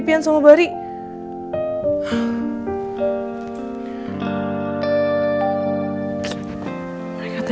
tinggal hanya satu jam saja